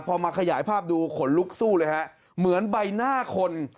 พอมาขยายภาพดูขนลุกสู้เลยฮะเหมือนใบหน้าคน